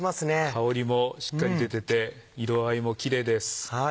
香りもしっかり出てて色合いもキレイです。